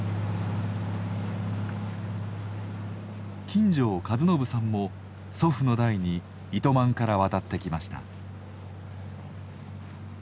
金城和伸さんも祖父の代に糸満から渡ってきました。